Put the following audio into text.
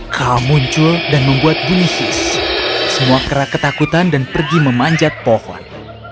kaa muncul dan membuat bunyi sis semua kera ketakutan dan pergi memanjat pohon